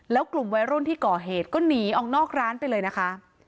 แล้วกลุ่มวัยรุ่นที่ก่อเหตุก็หนีออกนอกร้านไปเลยนะคะ